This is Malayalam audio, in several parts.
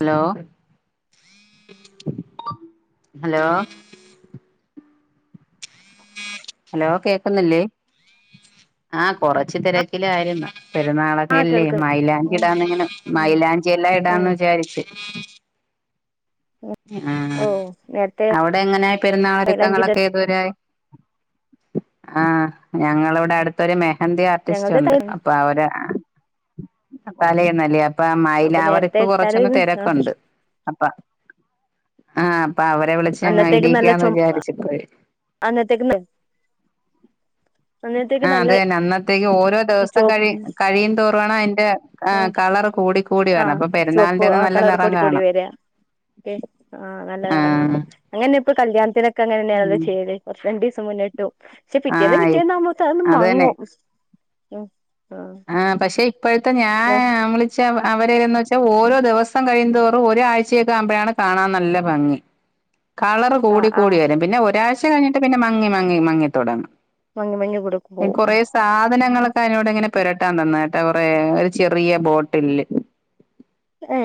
ഹലോ ഹലോ ഹലോ കേക്കുന്നില്ലേ ആഹ കുറച്ചു തിരക്കിലായിരുന്നു ആ പെരുന്നാളൊകെ അല്ലേ കേൾക്ക മൈലാഞ്ചി ഉം ഇടാന്നിങ്ങനെ ഉം മൈലാഞ്ചി എല്ലാം ഉം ഇടാന്ന് വിചാരിച്ച് ഉം ആ ഓ നേരത്തെ അവിടെ എങ്ങനെയായി മൈലാഞ്ചിട പെരുന്നാളൊരുക്കങ്ങളൊക്കെ ആഹ് ഞങ്ങളിവിടെ അടു ഒരു മെഹന്തി ആർട്ടിസ്റ്റ് ഞങ്ങളുടെ ത ഉണ്ട് അപ്പൊ അവര് തല എന്നല്ല അപ്പ അപ്പൊ നേരത്തെ മൈലാവറിക്ക് ഇട്ടാല് കൊറച്ചൊന്ന് ആ തിരക്കുണ്ട് അപ്പ ആഹ് അപ്പൊ അവരെ വിളിച്ച് അങ്ങ് ഇടീക്കാന്ന് വിചാരിച്ചിപ്പോ അന്ന തക്ക് ആ നല്ല അത് അന്നത്തേക്ക് ഓരോ ദിവസം കഴി ചോപ്പ് കഴിയും തോറണം അതിന്റെ ആ കളർ കൂട കൂടി ആ വരണം അപ്പൊ ചുവപ്പ് പെരുന്നാളിന്റെന്ന് നല്ല നിറം കാണും ആഹ് നല്ല ആ ഇറങ്ങണം അങ്ങനെ ഇപ്പൊ കല്യാണത്തിനൊക്കെ അങ്ങനെന്നെയണല്ല ഉം ചെയല് ദിവസം മുന്ന പക്ഷെ ആ പിറ്റേന്നാ പിറ്റേന്നാവ്പോത്ത അന്ന് അത് മങ്ങോ ആഹ് പക്ഷെ ഇപ്പോഴത്തെ ഞാൻ നമ്മള് പക്ഷെ അവരലന്ന് വെച്ചാൽ ഓരോ ദിവസം കഴിയുന്ന തോറും ഒരാഴ്ചയൊക്കെ ആവുമ്പോഴാണ് കാണാൻ നല്ല ഭംഗി [inaudible] കളർ ആ കൂടി ആ ആ കൂടി വരും പിന്നെ ഒരാഴ്ച കഴിഞ്ഞിട്ട് പിന്നെ മങ്ങി മങ്ങി മങ്ങി മങ്ങി മങ്ങി കൊടുക്കും തുടങ്ങും കൊറ പോവും സാധനങ്ങളൊക്കെ അതിനോട് ഇങ്ങനെ പുരട്ടാൻ തന്നായിട്ട് അവറ ഒരു ചെറിയ ബോട്ടില് ഏ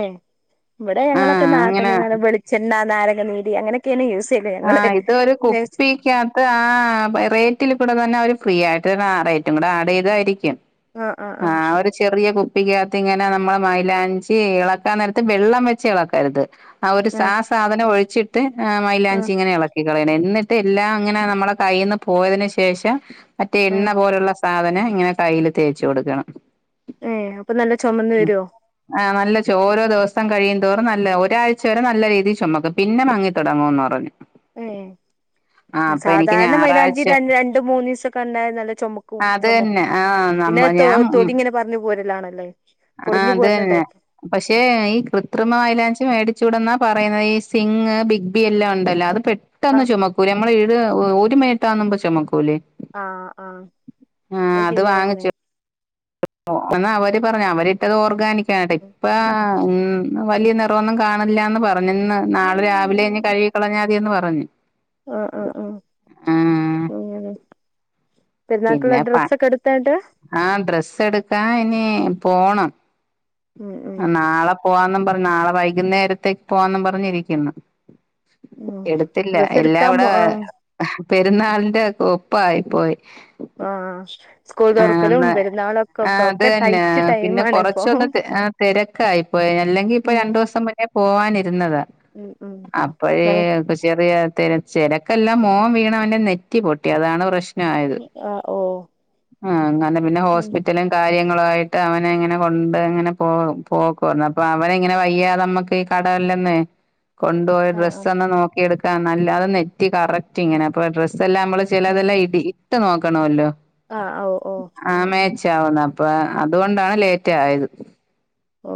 ഇവിടെ ആ ഞങ്ങളൊക്കെ അങ്ങനെ നാത്തന്നെ വെളിച്ചെണ്ണ നാരങ്ങനീരി അങ്ങനെയൊക്കെയന്നെ യൂസ് ചെയ്യല് ഞങ്ങള് ആഹ് ഇതൊരു കുപ്പിക്ക ആഹ് റേറ്റിൽ കൂടെ തന്നെ അവര് ഫ്രീ ആയിട്ട് റേറ്റും കൂടെ ആഡ് ചെയ്തായിരിക്കും ആഹ് അവര് ചെറിയ കുപ്പിക്കകത്ത് ഇങ്ങനെ നമ്മളെ മലാഞ്ചി ഇളക്കാൻ നേരത്ത് വെള്ളം വെച്ച് ഇളക്കരുത് ആ ഒരു ആഹ് ആ സാധനം ഒഴിച്ചിട്ട് ചി ആഹ് ഇങ്ങനെ ഇളക്ക കളയ എന്നിട്ട് എല്ലാം ഇങ്ങനെ നമ്മള കയ്യിൽന്ന് പോയതിനന് ശേഷം മറ്റേ എണ്ണ ആഹ് പോലുള്ള സാധനം ഇങ്ങനെ കയ്ൽ തേച്ച് കൊടുക്കണം ഏ അപ്പൊ നല്ല ചുമന്ന വരുവോ ആ നല്ല ച ഓരോ ദിവസം കഴിയും തോറും നല്ല ഒരാഴ്ച വരെ നല്ല രീതിയിൽ ചുമക്കും പിന്നെ മങ്ങി തുടങ്ങുംന്ന് പറഞ്ഞു ആ ഏ അപ്പൊ എനിക്ക് സാധാര്ണ മൈലാഞ്ചി ഞായറാഴ്ച രണ്ട മൂന്നു ദിവസൊക്കെ ഉണ്ടായ നല്ല ചുമക്കും അത് ചുമ തന്നെ ആഹ് പിന്നെ നമ്മ തൊ ഞാൻ ഉം തൊലി ഇങ്ങനെ പറഞ്ഞു പോരലാണല്ലേ ആഹ് പൊളിഞ്ഞു അത് പോരുന്ന തന്നെ ടൈപ്പ് പക്ഷേ ഈ കൃത്രിമ മൈലാഞ്ചി മേടിച്ചൂടന്നാ പറയുന്നത് ഈ സിങ്, ബിഗ് ബി എല്ലാം ഉണ്ടല്ലോ അത് പെട്ടെന്ന് ആഹ് ചുമക്കൂ നമ്മൾ ഈട് ഒരു മിനിറ്റ്കുമ്പോ ചുമക്കൂലേ ആഹ് ആഹ് അത് ആഹ് ശരിയാ പറഞ്ഞേ വാങ്ങിച്ചു അവര് പറഞ്ഞു അവരിട്ടത് ഓർഗാനിക്കാണ് കേട്ടെ ഇപ്പ ഉം വലിയ നിറഒന്നും കാണില്ലന്ന് പറഞ്ഞു പറഞ്ഞന്ന് നാളെ രാവിലെ കഴുകിക്കളഞ്ഞാതിയന്ന് പറഞ്ഞ് ആഹ് ആഹ് ആഹ് അഹ് പിള്ളേർക്കുള്ള പിന്നെ പ ഡ്രസ്സ ഒക്കെ എടുത്തായിട്ട് ആഹ് ഡ്രസ്സ് എടുക്കാ ഇനി പോണം ഉം ഉം നാളെ പോവാെന്നും പറഞ്ഞു നാളെ വൈകുന്നേരത്തേക്ക് പോവാ പറഞ്ഞിരിക്ക്ന്ന് ഉം എടുത്തില്ല ഡ്രസ്സ് എടുക്കാൻ എല്ലാവടെ പോ ആഹ് പെരുന്നാളിന്റെ ഒപ്പായി പോയി ആഹ് സ്കൂൾ തുറക്കലും ആന്ന് പെരുന്നാളൊക്കെ ആ അത് ഇപ്പൊക്കെ ടൈറ്റ് ടൈ ആണിപ്പോ തിരക്കായിപ്പോയി അല്ലെങ്കി ഇപ്പൊ രണ്ടു ദിവസം മു പോവാനിരുന്നത് ഉം ഉം അപ്പഴേ ഞങ്ങ ചെറിയ തിരച്ചിലക്കെല്ലാം മോം വീണം അവെ നെറ്റി പൊട്ടി അതാണ് പ്രശ്നമായത് ആഹ് ഓ ആഹ് അങ്ങനെ പിന്നെ ഉം ഹോസ്പിറ്റല കാര്യങ്ങളായിട്ട് അവന ഇങ്ങനെ കൊണ്ട് ഇങ്ങനെ പോ പോക്കുമായിരുന്നു അപ്പോൾ അവന ഇങ്ങനെ വയ്യാ നമുക്ക് കടല്ലന്നെ കൊണ്ടുപോയ ആഹ് ഡ്രസ്സ് ആഹ് ഒന്ന് നോക്കിയെടുക്കാൻ നല്ലാതത് നെറ്റി കറക്റ്റ് ഇങ്ങനെ അ ഹ് ഡ്രസ് എല്ലാം നമ്മ ഉം ചിലതെല്ലാം ഇടി ഇട്ട് നോക്കണല്ലോ ആഹ് ഓ ആഹ് ഉം മേച്ചാവുന്ന അപ്പൊ അതുകൊണ്ടാണ് ലേറ്റ് ആയത് ഓ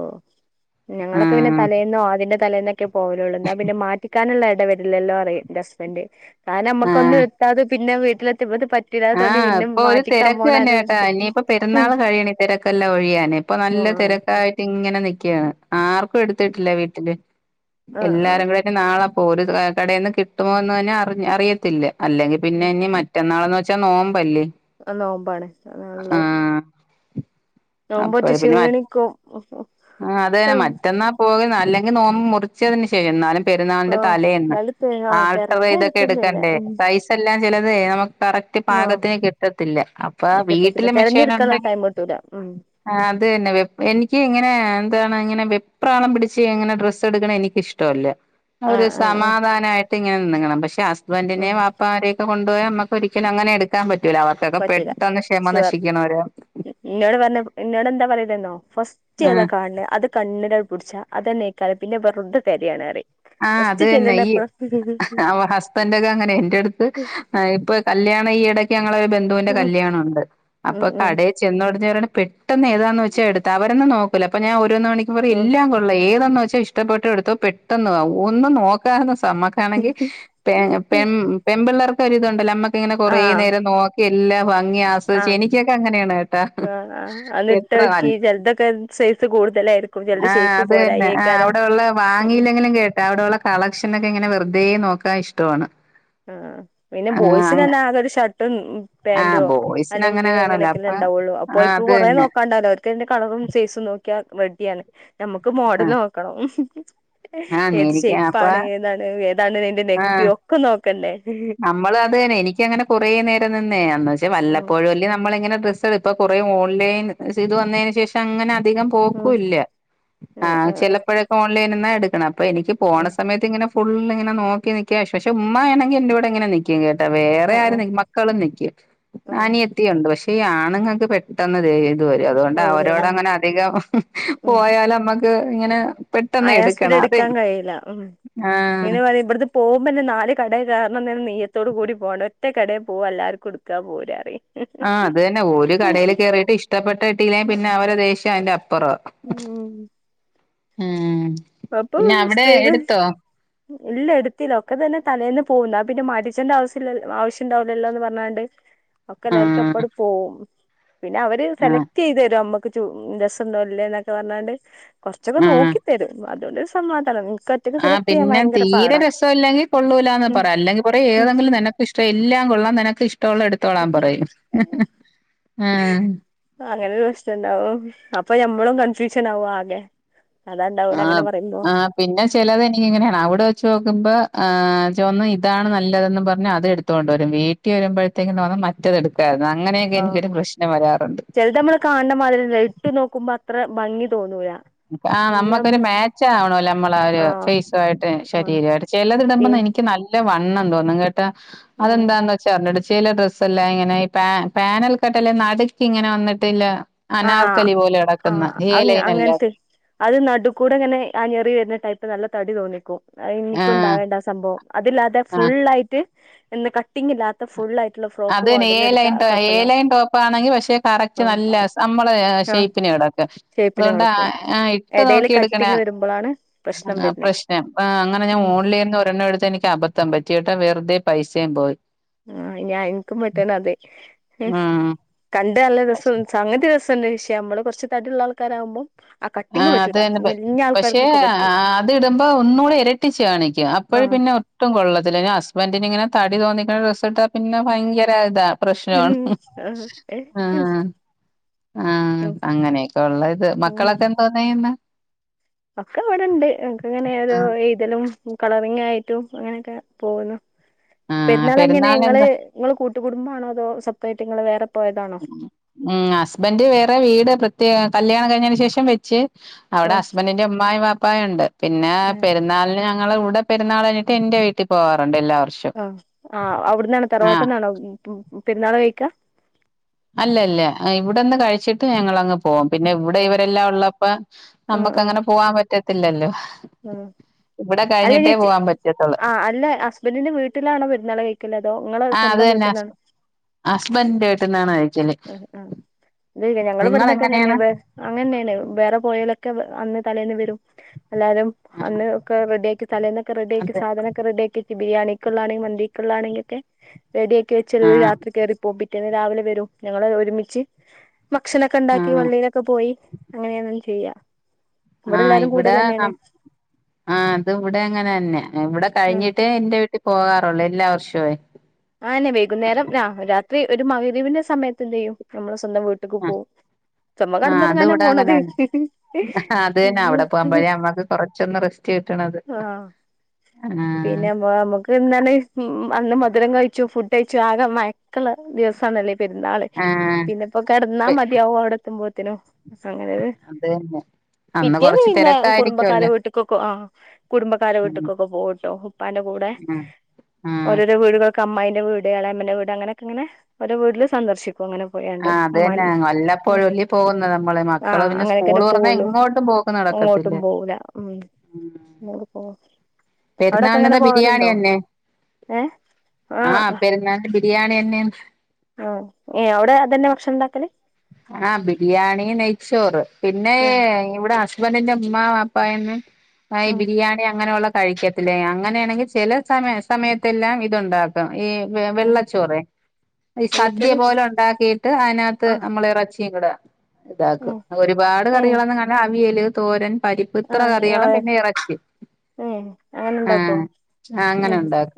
ഞങ്ങളൊക്കെ പിന്നെ ആഹ് തലേന്നോ അതിന്റെ തലേന്നൊക്കെ പോവലള്ളൂ എന്നാ പിന്നെ മാറ്റ [unintelligible] ഇട വരില്ലല്ലോ അറ ഹസ്ബൻഡ് കാരണം നമ്മുക്ക ഒന്നും ആഹ് എത്താതെ പിന്നെ വീട്ടിലെത്തിത് പറ്റ ആഹ് ഇപ്പൊ ഒരു തിരക്ക് തന്നെ കേട്ടാ ഇനിയിപ്പോ ഉം പെരുന്നാൾ കഴിയണി തിരക്കെല്ലാം ഒഴിയാനെ ഇപ്പൊ നല്ല ആഹ് തിരക്കായിട്ട് ഇങ്ങനെ നിക്കാണ് ആർക്കും എടുത്തിട്ടില്ല വീട്ടില് ആഹ് എല്ലാരും കൂ നാളെ അപ്പോ ഒരു കടയിൽന്ന് കിട്ടുമോ എന്ന് തന്നെ അഹ് അറിയത്തില്ല അല്ലെങ്കിൽ പിന്നെ ഇനിറ്റ മറ്റന്നാളന്ന് വെച്ചാൽ നോമ്പല്ലേ അഹ് നോമ്പാണ് അല്ല അപ്പഴ പിന്നെ ക്ഷീണിക്കും ആഹ് അതന്നെ മറ്റന്നാ പോകുന്ന അല്ലെങ്കിൽ നോമ്പ മുറിച്ചതിന് ശേഷ എന്നാലും പെരുന്ന ആഹ് എന്നാലും തെ ആഹ് തലക്കെ തെരക്കായിരിക്കും എടുക്ക പിന്നെ ഉം എല്ലാം ചെതേ നമ കറക്റ്റ് ആഹ് പാകത്തിന് കിട്ടത്തില്ല അപ്പ കിട്ടത്തില്ല വീട്ടിലെ മെഷീന തെരഞ്ഞെടുക്കാനുള്ള ഉണ്ടെങ്കിൽ ടൈം കിട്ടൂല ഉം ആഹ് അത്തന്നെ എനിക്ക് ഇങ്ങനെ എന്താണ് ഇങ്ങനെ വെപ്രാളം പിടിച്ച് എങ്ങനെ ഡ്രസ്സ് എടുക്കണം എനിക്കിഷ്ടം ഇഷ്ടല്ലേ ഒരു ആഹ് ആഹ് ആഹ് സമാധാനമായിട്ട് ഇങ്ങനെ നിങ്ങണം പക്ഷെ ഉം ഹസ്ബൻഡറിനെയും വാപ്പമാരെയക്ക കൊണ്ടുപോയി നമ്മുക്കൊരിക്കും [unintelligible] അങ്ങനെ എടുക്കാൻ പറ്റൂല അവർക്കൊക്കെ പറ്റൂല പെട്ടെന്ന് ക്ഷമ ഷുവർ നശിക്കണര് [unintelligible] പറഞ്ഞ ഇന്നോട് എന്താ പറയതെന്നോ ഫസ്റ്റ് ആഹ് ചെയ്താ കാണ അത് കണ്ണിടകൾ പിടിച്ചാ അത തന്നെക്കും പിന്നെ വെറുത തരയാണ് ആഹ് അത് തന്നെ ഈ അവ ഹസ്ബൻ്റ് ഒക്കെ അങ്ങനെ എൻ്റെ അടുത്ത് ആഹ് ഇപ്പൊ കല്യാണം ഈ ഇടക്ക് ഞങ്ങള ഒരു ബന്ധുവിന്റെ കല്യാണുണ്ട് ഉം അപ്പൊ ഉം കട ചെന്നോടഞ്ഞവര പെട്ടെന്ന് ഏതാന്ന് വെച്ച എടുത്ത് അവരന്ന നോക്കൂ അപ്പ ഞാൻ ഒന്ന മണിക്കറ ഉം എല്ലാം ഏതെന്ന് വെച്ചാൽ ഇഷ്ടപ്പെട്ട എടുത്തോ പെട്ടെന്ന് ഒന്നും നോക്കാ സമ ആണെങ്കെ പെ പിള്ളേർക്കൊരിതുണ്ടല്ലോ അമ്മ ഇങ്ങനെ കൊറേ ആഹ് നേരം നോക്കി എല്ലാ ഭംഗി ആസ്വദിച്ചു ആഹ് എനിക്കൊക്കെ അങ്ങനെയാണ് കേട്ടാ ആഹ് ആഹ് [unintelligible] എങ്ക അന്നിട്ടോക്കി ചെലതൊക്കെ സൈസ് കൂടുതലായിരിക്കും ചെലത് ഷേപ്പ് പോരായേക്കാരം ഉം കേട്ടാ അവിടെള്ള കളക്ഷന ഒക്കെങ്ങനെ വെറുതെയെ നോക്കാൻ ഇഷ്ടമാണ് ആഹ് പിന്നെ ആഹ് ബോയ്സിന്ന്നാ അതൊരു ഷർട്ടും ആഹ് പാൻ്റുവോ ബോയ്സിന് അങ്ങനെ അല്ലെങ്കിൽ കാണൂല അങ്ങനെയക്കെല്ല അപ്പൊ ഉണ്ടാവുള്ളൂ ആഹ് അപ്പോൾക്ക് കു അത് കൊ തന്നെ നോക്കാണ്ടല്ലോ ന്റെ കളറും സേസും നോക്കിയാ റെഡിയാണ് നമ്മക്ക് മോഡൽ ആഹ് നോക്കണം ആഹ് ഏത് എനിക്ക് ഷേപ്പ അപ്പ ആണ് ഏതാണ് ഏതാണ് നിന്റെ നെക്ക് ആഹ് ഒക്കെ നോക്കണ്ടേ നമ്മള് അത് തന്നെ എനിക്ക അങ്ങനെറേ നേര നിന്നന്ന് വെച്ചാ ഉം വല്ലപ്പോഴും വല നമ്മള ഇങ്ങനെ ഡ്രസ്സ് എടു ഇപ്പൊ കുറേ ഓൺലൈൻ ഇത് വന്നതിന് ശേഷം അങ്ങനെ അധികം ഉം പോക്കില്ല ആഹ് ചിലപ്പോഴൊക്കെ ഓൺലൈനിന്ന എടുക്കണം അപ്പൊ എനിക്ക് പോണ ഉം സമയത്ത് ഇങ്ങന ഫുൾ നിങ്ങനെ നോക്കി നിക്കക് പെ ഉമായാണെങ്ക എന്റെറെവിടെ ഇങ്ങനെ നിക്കി [unintelligible] കേട്ടാ വേറെ ആഹ് ആരും ആഹ് ന മക്കളും നിക്കും ആഹ് ആന വുണ്ട് പക്ഷേ ഈ ആണുങ്ങൾക്ക് പെട്ടത് ര അതുകൊണ്ട് പോവൂലേ അവരോട് ആഹ് അങ്ങനെ അധികം പോയാല നമ്മക്ക് ഇങ്ങനെ പെട്ടെന്ന് ആയാസത്തി എടുക്കണം അത് എടുക്കാൻ കഴിയില്ല ഉം ആഹ് ഇങ്ങനെ പറ ഇവിടത്തെ പോകുമ്പോന്നെ നാല് കടൽ കാരണം തന്നെ നെയ്യത്തോട് കൂടി പോകണം ഒറ്റ കടയിൽ പോകും എല്ലാവർക്കും എടുക്കാ പോരറി ആഹ് അത് തന്നെ ഓല് കടയിൽ കേറിയിട്ട് ഇഷ്ടപ്പെട്ട കിട്ടീലേ പിന്നെ അവരെ ദേഷ്യം അതിന്റെ അപ്പുറം ഉം ഉം അപ്പൊ പിന്നെ അവിടെ സ്ത്രീകൾ എടുത്തോ ഇല്ല എടുത്തില്ല ഒക്കെ തന്നെ തലേന്ന് പോകും ന്നാ പിന്നെ മാറ്റിച്ചെണ്ട്യ ആവശ്യം ഉണ്ടാവുലല്ലോ എന്ന് പറഞ്ഞാണ്ട്‌ ഒക്കെ എല്ലാവർക്കും ആഹ് അപ്പടെ പോകവും പിന്നെ അവര് ആഹ് സെലക്ട് ചെയ്ത് തരും നമ്മക്ക് രസം ഉണ്ടോ ഇല്ലേ എന്നൊക്കെ പറഞ്ഞാണ്ട് കുറച്ചൊക്കെ ആഹ് നോക്കി തരും അതോ ഒരു സമാധാനം ഒറ്റക്ക് ആ സെലക്ട് ചെയ്യാൻ പിന്നെ ഭയങ്കര തീരെ പാടാ രസല്ലെങ്കിൽ കൊള്ളൂലന്ന് ഉം പറയാം അല്ലെങ്കിൽ പറ ഉം ഏതെങ്കിലും തന്നെ ഇഷ്ടം എല്ലാം കൊള്ളാൻ നിനക്ക് ഇഷ്ടമുള്ള എടുത്തോളാൻ പറയും ആ അങ്ങനെ ഒരു പ്രശണ്ടാവും അപ്പൊ ഞമ്മളും കൺഫ്യൂഷൻ ആവും ആകെ അതാണ്ടാവല അങ്ങനെ ആഹ് പറയുമ്പം ആഹ് പിന്നെ ചെലത് എനിക്കിങ്ങനെയാണ് അവിടെ വെച്ച് നോക്കുമ്പോഹ് ചന്ന് ഇതാണ് നല്ലതെന്ന് പറഞ്ഞ് അത് എടുത്ത് ഇത്ത കൊണ്ട് വരും വീട്ടിൽ വരുമ്പോഴത്തേക്കും തോന്ന മറ്റത് എടുക്കായിരുന്നു അങ്ങനെയൊക്ക എനൊരു പ്രശ്ന വരാറുണ്ട് ചിലത് നമ്മൾ കാണ് ണ മാതിരില്ല ഇട്ടു നോക്കുമ്പോ അത്ര ഭംഗി തോന്നൂല ആഹ പിന്നെ അമ്മ നമ്മുക്കൊരു മാച്ച് ആവണോല്ലോ നമ്മള ഒരു ആഹ് ഫേസു ആയിട്ട് ആഹ് ശരീരമായിട്ട് ചിലതിടുമ്പോ എനിക്ക് പിന്നെ എനിക്ക് നല്ല വണ്ണം തോന്നും കേട്ടോ അതെന്താ ച്ചടിച്ചയില ഡ്രസ്സല്ല ഇങ്ങനെ ഈ പ പാനൽക്കട്ടല്ല നടുക്കി ഇങ്ങനെ വന്നിട്ടില്ല ആഹ് അനാർക്കലി പോലെ നടക്കുന്ന ആഹ് അങ്ങ ഏലയിനല്ലാം അങ്ങനത്തെ അത് നടു കൂടെ ഇങ്ങനെ ആഞ്ഞെറി വരുന്ന ടൈപ്പ് നല്ല തടി തോന്നിക്കും അത് ആഹ് എനിക്കുണ്ടാവേണ്ട ആ സംഭവം അതില്ലാതെ ആഹ് ആ ഫുൾ ആയിട്ട് എന്ന് കട്ടിംഗാത്ത അത് തന്നെ ഏ ലൈൻ ഏ കുഴപ്പല്ല ലൈൻ ടോപ്പ ആണെങ്കിൽ പക്ഷെ കറക്റ്റ് ആഹ് നല്ല നമ്മളെ ആഹ് ഷേപ്പിനെ കിടക്ക് ഷേപ്പിന് അതുകൊണ്ട് കൊടുക്കും ആ ഇട്ട് എടേല് നോക്കി എടുക്കണ കട്ടിങ് വരുമ്പളാണ് പ്രശ്നം ആ വരുന്നെ പ്രശ്നം ആ അങ്ങനെ ഞാൻ ഉം ഓൺലിന്ന് ഒരണ്ണം എടുത്ത് എനിക്ക് അബദ്ധം ദ്ധം പറ്റി വെറുതെ പൈസയും പോയി ആ ഞാൻ എനിക്കും പെട്ടേണ് അതെ ഉം കണ്ട നല്ല രസം സംഗതി രസം വിഷയം നമ്മള് കുറച്ച് തടി ഉള്ള ആൾക്കാരാവകുമ്പോ പിംഗ് ആഹ് അത് പറ്റൂല്ല തന്നെ പ പക്ഷെ അത് ഇടുമ്പോ ഒന്നുകൂടെ ഇരട്ടിച്ചു കാണിക്കും അപ്പോഴ ആഹ് പിന്നെ ട്ടും കൊള്ളത്തില്ല ഹസ്ബൻറി ഇങ്ങനെ തടി തോന്നിക്കുന്ന ഡ്രസ്സിട്ട പിന്നെ ഭയങ്കര ഇതാ പ്രശ്നമാണ് ഉം ആഹ് ആഹ് ആഹ് അങ്ങനെയൊക്കെ ഉള്ള ഇത് മക്കളൊക്കെ എന്തോന്നയ്യുന്നെ ഒക്ക അവിടെണ്ട് ഒക്കെ ഇങ്ങനെ ഏതോ ആഹ് ഴുതലും കളറിങ് ആയിട്ടും അങ്ങനെയൊക്കെ പോകുന്നു ആഹ് പെരുന്നാൾ എങ്ങനെ പെരുന്നാളിന് ങ്ങള് എന്താ നിങ്ങള് കൂട്ടുകടുംബാണോ അതോ നിങ്ങങ്ങള് സപ്പറേറ്റ് വേറെ പോയതാണോ? ഉം ഹസ്ബൻഡറ് വേറെ വീട് പ്രത്യേ കല്യാണം കഴിഞ്ഞന് ശേഷം വെച്ച് അവിടെ ആഹ് ഹസ്ബൻറിന്റെ ഉമ്മായും വാപ്പായും ഉണ്ട് പിന്നെ ഏഹ് പെരുന്നാൾ ഞങ്ങളുടെ പരുന്നാൾ കഴിഞ്ഞിട്ട് എന്റെ വീട്ടിൽ പോകാറുണ്ട് എല്ലാ വർഷവും ആ ആ അവിടന്നാണോ ആഹ് തറവാട്ട്ന്നാണോ പെരുന്നാൾ കഴിക്ക അല്ലല്ല ഇവിടെന്ന് കഴിച്ചിട്ട് ഞങ്ങളങ്ങ് പോം പിന്നെ ഇവിടെ ആഹ് ഇവരെല്ലാം ഉള്ളപ്പോ നമ്മുക്ക് ആഹ് അങ്ങനെ പോവാൻ പറ്റത്തില്ലല്ലോ ആഹ് ഇവിടെ കഴിഞ്ഞിട്ടേ പോവാൻ പറ്റത്തുള്ള അല്ലെ ഹസ് ബന്റിന്റെ വീട്ടിലാണോ പരുന്നാള കഴിക്കലേ അതോ നിങ്ങെ ആഹ് അത് സ്വന്തം തന്നെ വീട്ടിൽന്നാണ് ഹസ്ബൻഡിന്റെ വീട്ടിന്നാണ് കഴിക്കല് ഉ ആ എ ഞങ്ങ ഇവിടന്നൊക്കെ എങ്ങനെയ നിങ്ങളെങ്ങനെയാണ് വേ അങ്ങനെയന്നെ വേറെ പോയലൊക്കെ അന്ന് തലേന്ന് വരും എല്ലാരും ആഹ് അന്ന് ഒക്കെ റെഡിയി തലന്നക്കെ റെഡിയാക്കി അതെ സാധനൊക്കെ റെഡിയാക്കിക്കി ബിരിയാണി ക്കാണെങ്കിൽ വണ്ടീക്കാണെങ്കിൽക്കെടിയക്കെ വെ ആഹ് രാത്രി കയറിപ്പോ പറ്റേന്ന് രാവിലെ വരും ഞങ്ങൾ ഒരുമിച്ച് ഭക്ഷണൊക്കെ ഉണ്ടാക്കി ആഹ് പള്ളിയിലൊക്കെ പോയി അങ്ങനെയ ചെയ്യ ആഹ് ഇവിടെല്ലാരും കൂടുതൽ ഇവിടെ തന്നെയ ആ അത് ഇവിടെ അങ്ങനെ തന്നെ ഇവിടെ ഉം കഴിഞ്ഞിട്ട് ട്ടേ എന്റെ വീട്ടിൽ പോകാറുള്ളൂ എല്ലാ വർഷമേ ആന്നെ വൈകുന്നേരം ആ രാത്രി ഒരു മകദ്പന്റെ സമയത്ത് എന്ത് ചെയ്യും നമ്മള് സ്വന്തം വീട്ടേക്ക് പോവും ആഹ് അത് ഇവിടെ അങ്ങനെന്നെ അത് തന്നെ അവിടെ പോകൻ്പഴേ അമ്മക്ക് കൊറച്ചൊന്ന് റെസ്റ്റ് കിട്ടണത് ആ പിന്നെമുക്ക് അന്ന് മധുരം കഴിച്ചു ഫുഡ് കഴിച്ചു ആകെ മയക്കൾ ദിവസമാണല്ലേ പെരുന്നാള് ആ പിന്നെപ്പോ കിടന്നാ പെ മതിയാവോ അവിടെ എത്തുമ്പോത്തിനോ അങ്ങനെത് അതന്നെ പിറ്റേന്ന് പിന്നെ കുടുംബക്കാരെ വീട്ടിക്കൊക്കെ ആഹ് കുടുംബക്കാരെ ഉം വീട്ടക്കൊക്കെ പോവുട്ടോ പ്പന്റെ കൂടെ ഉം ഉം ഓരോരോ വി അമായിന്റെ വട്യാളമ്മന്റെ വീട് അങ്ങനൊക്കെങ്ങന ഓര വീട്ടില് സന്ദർശിക്കും അങ്ങനെ പോയണ്ട് ആ അത് തന്നെ വല്ലപ്പോഴും അല്ലേ പോകുന്നത് നമ്മള് മക്കള് ആഹ് പിന്നെ സ്കൂള് അങ്ങനെയൊക്കെന്നെ തുറന്നാ പോവുള്ളു എങ്ങോട്ടും പോക്ക് നടക്കത്തില്ല അങ്ങോട്ടും പോവൂല ഉം ഉം [unintelligible] അവിടൊക്കെ അങ്ങനെ പെരുന്നാളിന്റെ ബിരിയാണി പോവലുണ്ടോ തന്നെ ഏ ആ ആഹ് പെരുന്നാളിന്റെ ബിരിയാണിയാന്നെ ആഹ് ഏഹ് അവിടെ അതന്നെ ഭക്ഷണം ഉണ്ടാക്കല് ആഹ് ബിരിയാണി നെയ്ച്ചോറ് പിന്നെ ആ ഇവിടെ ബന്റിന്റെ മ്മ പാപ്പ [unintelligible] ഉം ബിരിയാണി അങ്ങനെയുള്ള കഴിക്കത്തില്ല അങ്ങനെയാണെങ്കിൽ ചില സമയ സമയത്ത് എല്ലാം ഉണ്ടായിരുന്നു ഈ ഉം വെള്ളച്ചോറെ ഈ സദ്യ വെള്ളച്ചോറ് പോലെ ഉണ്ടാക്കിയിട്ട് അതിനകത്ത് ആ നമ്മള് ഇറച്ചി ഒക്കെ ഇടുക ഏ ഇതാകും ഒരുപാട് ഏ കറികളൊന്നും കാണില്ല അവിയല് തോരൻ പരിപ്പ് ആ ഇത്ര കറികളും പിന്നെ ഇറച്ചിയും ഏ അങ്ങനെ ഉണ്ടാക്കോ ആഹ് അങ്ങനെ ഉണ്ടാക്കും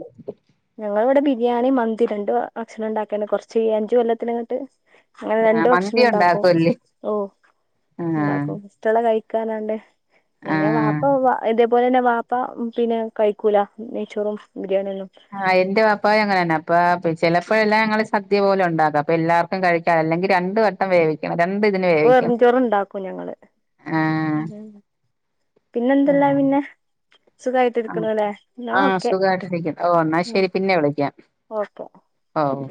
ഞങ്ങള് ഇവിടെ ബിരിയാണി മന്തി രണ്ട് ഭക്ഷണം ഉണ്ടാക്കിയണ്ട് കൊറച്ച് അഞ്ചു കൊല്ലത്തി ഇങ്ങോട്ട് അങ്ങനെ ആഹ് രണ്ടു ഭക്ഷണം മന്തി ഉണ്ടാക്കും ഉണ്ടാക്കുംല്ലേ ഓഹ് ആഹ് ഉണ്ടാക്കും കുട്ടികള് കഴിക്കാനണ്ട് പിന്നെ ആഹ് വാപ്പ ഇ അതുപോലെ തന്നെ വാപ്പ പിന്നെ കഴിക്കൂല നെയ്ച്ചോറും ബിരിയാണി ഒന്നും ആഹ് എന്റെ വാപ്പയും അങ്ങന തന്നെ അപ്പ ചിലപ്പോഴെല്ലാം ഞങ്ങള് സദ്യ പോലെ ഉണ്ടാക്കാം അപ്പൊ എല്ലാർക്കും കഴിക്കാ അല്ലെങ്കിൽ രണ്ട് വട്ടം വട്ടം വേവിക്കണം രണ്ടു ഇതിന് അപ്പൊ വേവിക്കണം വെറുംചോറ് ഉണ്ടാക്കും ഞങ്ങള് ആഹ് പിന്നെന്തല്ലാ ആഹ് പിന്നെ സുഖായിട്ട് ആഹ് ഇരിക്കണല്ലേ എന്നാ ആഹ് ഓക്കെ സുഖയിട്ടിരിക്കുന്നു ഓഹ് എന്നാ ശരി പിന്നെ വിളിക്കാം ഓക്കെ ആഹ്